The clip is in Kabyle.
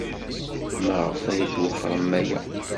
Maɣef ay twexxrem aya?